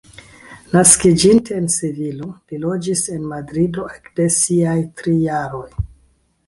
Naskiĝinta en Sevilo, li loĝis en Madrido ekde siaj tri jaroj.